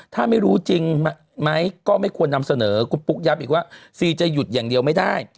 ถ้าไม่รู้จริงไหมก็ไม่ควรนำเสนอคุณปุ๊กย้ำอีกว่าซีจะหยุดอย่างเดียวไม่ได้